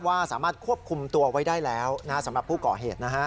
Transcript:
ว่าสามารถควบคุมตัวไว้ได้แล้วสำหรับผู้ก่อเหตุนะฮะ